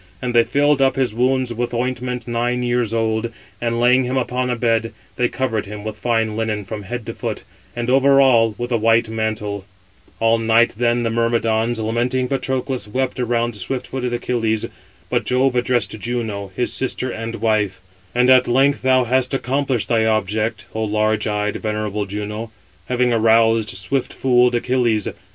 And they filled up his wounds with ointment nine years old; and laying him upon a bed, they covered him with fine linen from head to foot; and over all, with a white mantle. 589 All night then the Myrmidons, lamenting Patroclus, wept around swift footed Achilles. But Jove addressed Juno, his sister and wife: "And at length thou hast accomplished thy object, O large eyed, venerable Juno, having aroused swift fooled Achilles.